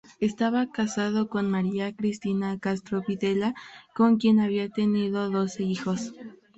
Estaba casado con María Cristina Castro Videla, con quien había tenido doce hijos.